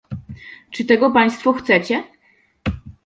Czy tego państwo chcecie?